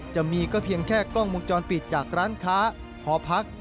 จะมีก็เพียงแค่กล้องมุมจรปิดจากร้านค้าหอพัก